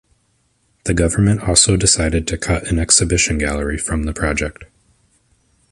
The government also decided to cut an exhibition gallery from the project.